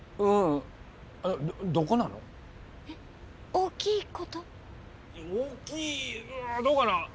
大きいうんどうかな？